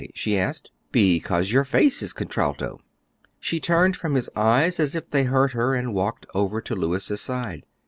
she asked. "Because your face is contralto." She turned from his eyes as if they hurt her, and walked over to Louis's side.